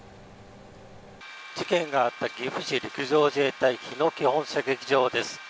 事件があった岐阜市陸上自衛隊日野基本射撃場です。